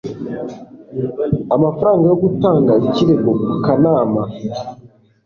amafaranga yo gutanga ikirego ku kanama